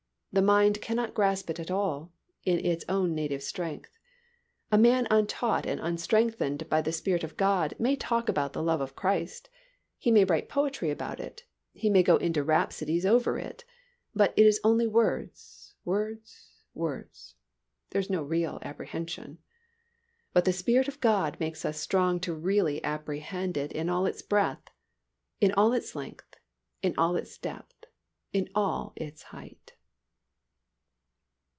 The mind cannot grasp it at all, in its own native strength. A man untaught and unstrengthened by the Spirit of God may talk about the love of Christ, he may write poetry about it, he may go into rhapsodies over it, but it is only words, words, words. There is no real apprehension. But the Spirit of God makes us strong to really apprehend it in all its breadth, in all its length, in all its depth, and in all its height.